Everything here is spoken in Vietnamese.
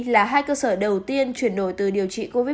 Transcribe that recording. là hai cơ sở đầu tiên chuyển đổi từ điều trị covid một mươi chín